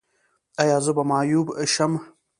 ایا زه به معیوب شم؟